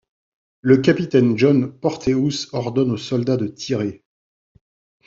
Le capitaine John Porteous ordonne aux soldats de tirer.